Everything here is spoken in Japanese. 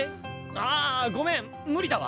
ああごめん無理だわ。